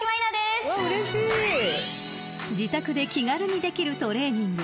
［自宅で気軽にできるトレーニング。